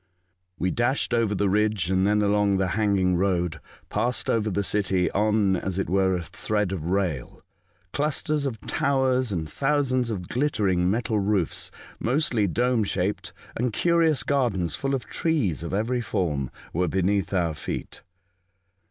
We dashed over the ridge, and then along the hanging road, passed over the city on, as it were, a thread of rail. Clusters of towers and thousands of glittering metal roofs, mostly dome shaped, and curious gardens full of trees of every form, were beneath our feet.